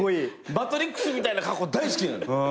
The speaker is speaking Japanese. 『マトリックス』みたいな格好大好き。